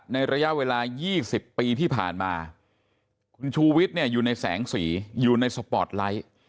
ระยะเวลา๒๐ปีที่ผ่านมาคุณชูวิทย์เนี่ยอยู่ในแสงสีอยู่ในสปอร์ตไลท์